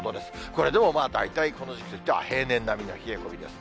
これでも大体この時期としては平年並みの冷え込みです。